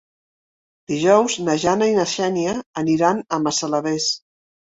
Dijous na Jana i na Xènia aniran a Massalavés.